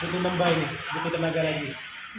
gak ada penerimaan barang di negara ini